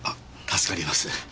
助かります。